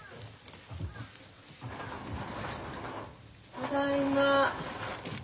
・ただいま。